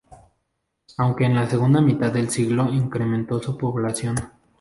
Aunque en la segunda mitad del siglo incrementó su población.